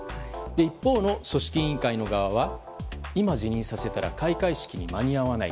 一方の組織委員会側は今、辞任させたら開会式に間に合わない。